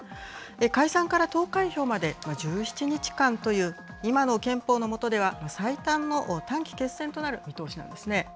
解散から投開票まで１７日間という、今の憲法の下では最短の短期決戦となる見通しなんですね。